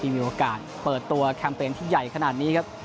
มีโอกาสเปิดตัวแคมเปญที่ใหญ่ขนาดนี้ครับ